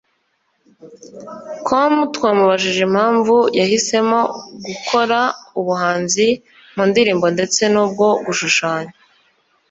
com twamubajije impamvu yahisemo gukora ubuhanzi mu ndirimbo ndetse n’ubwo gushushanya